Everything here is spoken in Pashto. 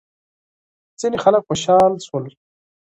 ځینې خلک خوشحال شول.